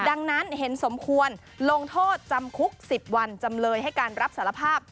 ดังนั้นเห็นสมควรลงโทษจำคุก๑๐วันจำเลยให้การรับสารภาพ